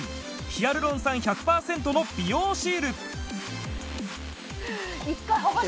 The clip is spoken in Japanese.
ヒアルロン酸１００パーセントの美容シール